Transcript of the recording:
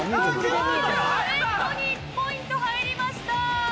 レッドに１ポイント入りました。